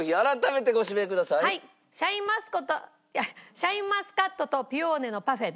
シャインマスカットとピオーネのパフェです。